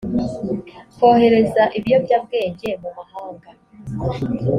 kohereza ibiyobyabwenge mu mahanga